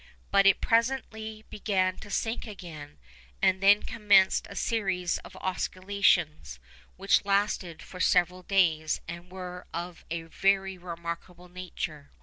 But it presently began to sink again, and then commenced a series of oscillations, which lasted for several days and were of a very remarkable nature.